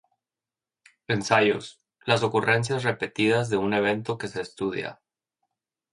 Ensayos: Las ocurrencias repetidas de un evento que se estudia.